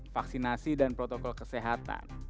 vaksinasi dan protokol kesehatan